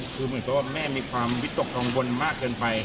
คือเหมือนกับว่าแม่มีความวิตกกังวลมากเกินไป